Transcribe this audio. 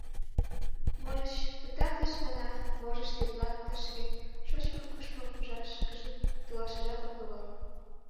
Можыч, пытартыш гана, можыч, тетла тышке, шочмо-кушмо пыжашышкыже, толашыжат ок логал.